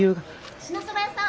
支那そば屋さん！